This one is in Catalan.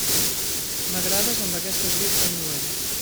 M'agrades amb aquest eslip tan lluent.